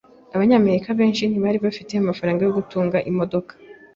Abanyamerika benshi ntibari bafite amafaranga yo gutunga imodoka.